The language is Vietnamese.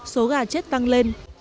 số gà chết tăng lên